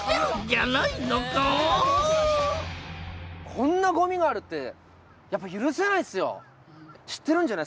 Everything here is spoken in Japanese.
こんなごみがあるってやっぱ許せないっすよ！